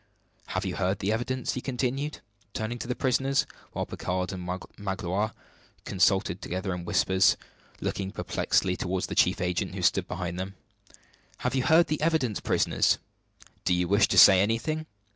Have you heard the evidence?" he continued, turning to the prisoners; while Picard and Magloire consulted together in whispers, looking perplexedly toward the chief agent, who stood silent behind them. "Have you heard the evidence, prisoners? Do you wish to say anything?